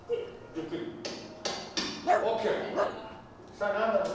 さあなんだろう？